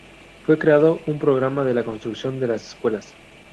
Fue creado un programa de la construcción de las escuelas.